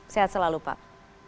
sehat selalu pak